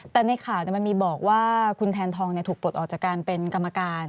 แต่ในข่าวมันมีบอกว่าคุณแทนทองถูกปลดออกจากการเป็นกรรมการ